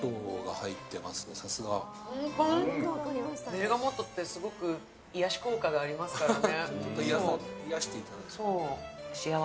ベルガモットってすごく癒やし効果がありますからね。